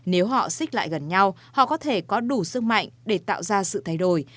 nếu họ xích lại gần nhau họ có thể có đủ sức mạnh để tạo ra sự thay đổi